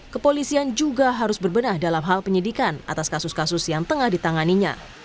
kepolisian juga harus berbenah dalam hal penyidikan atas kasus kasus yang tengah ditanganinya